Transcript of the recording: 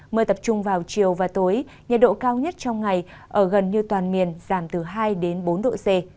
mưa tập trung vào chiều và tối nhiệt độ cao nhất trong ngày ở gần như toàn miền giảm từ hai đến bốn độ c